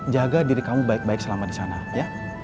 jaga diri kamu baik baik selama di sana ya